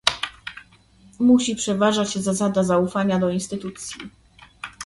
Musi przeważać zasada zaufania do instytucji